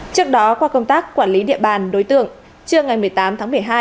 trước đó qua công tác quản lý địa bàn đối tượng trưa ngày một mươi tám tháng một mươi hai